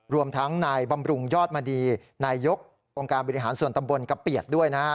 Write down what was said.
รวมทั้งนายบำรุงยอดมณีนายยกองค์การบริหารส่วนตำบลกะเปียดด้วยนะฮะ